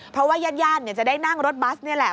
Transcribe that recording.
เพราะว่าญาติจะได้นั่งรถบัสนี่แหละ